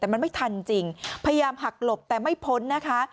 แต่มันไม่ทันจริงพยายามหักหลบแต่ไม่พ้นนะคะ